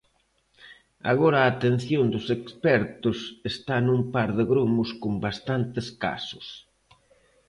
Agora a atención dos expertos está nun par de gromos con bastantes casos.